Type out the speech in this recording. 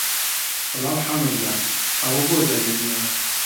سڵاو حەمە گیان، ئەوە بۆ دەنگت نییە؟